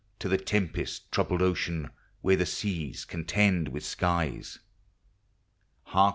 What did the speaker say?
To the tempest troubled ocean, Where the seas contend with skies. Hark!